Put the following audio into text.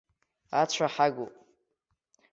Ацәа ҳагуп.